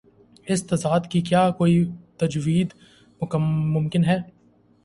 اس تضاد کی کیا کوئی توجیہہ ممکن ہے؟